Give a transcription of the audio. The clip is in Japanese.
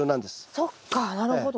そっかなるほど。